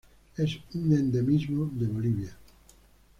Es un endemismo de Bolivia.